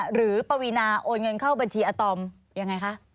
ปวีนาโอนเงินเข้าบัญชีอาตอมยังไงคะ